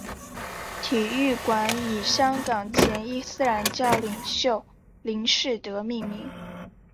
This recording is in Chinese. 体育馆以香港前伊斯兰教领袖林士德命名。